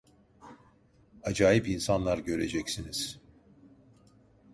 Acayip insanlar göreceksiniz.